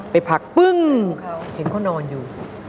ไปผักบึ้งเห็นเค้านอนอยู่